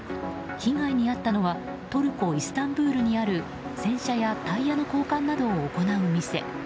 被害に遭ったのはトルコ・イスタンブールにある洗車やタイヤの交換などを行う店。